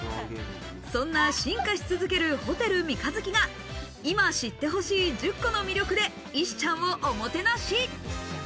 そんな進化し続けるホテル三日月が、今知って欲しい１０個の魅力で石ちゃんをおもてなし。